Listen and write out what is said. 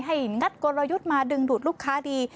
งัดกลยุทธ์มาดึงดูดลูกค้าดี